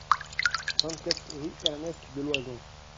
vingt-quatre rue Ernest Deloison